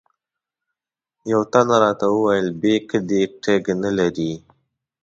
یوه تن راته وویل بیک دې ټګ نه لري.